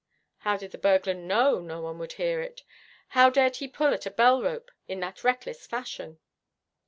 'How did the burglar know no one would hear it? How dared he pull at a bell rope in that reckless fashion?'